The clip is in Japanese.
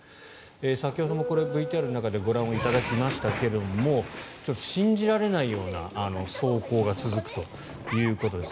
先ほどもこれＶＴＲの中でご覧いただきましたが信じられないような走行が続くということです。